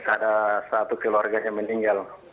ada satu keluarganya meninggal